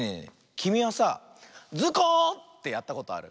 きみはさあ「ズコ！」ってやったことある？